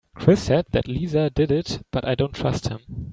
Chris said that Lisa did it but I dont trust him.